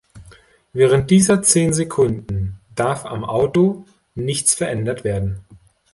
Während dieser zehn Sekunden darf am Auto nichts verändert werden.